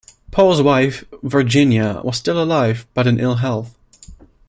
Poe's wife, Virginia, was still alive, but in ill health.